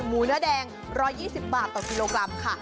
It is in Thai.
เนื้อแดง๑๒๐บาทต่อกิโลกรัมค่ะ